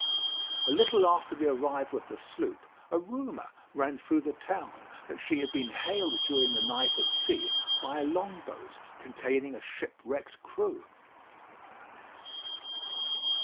A little after the arrival of the sloop, a rumour ran through the town that she had been hailed during the night at sea by a long boat containing a shipwrecked crew.